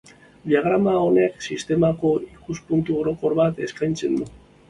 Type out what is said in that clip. Diagrama honek sistemako ikuspuntu orokor bat eskaintzen du.